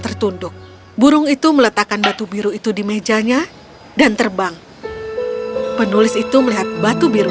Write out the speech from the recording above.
tertunduk burung itu meletakkan batu biru itu di mejanya dan terbang penulis itu melihat batu biru